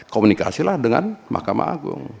komunikasilah dengan mahkamah agung